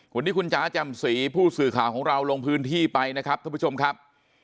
วันนี้คุณจ๋าจำศรีผู้สื่อข่าวของเราลงพื้นที่ไปนะครับท่านผู้ชมครับ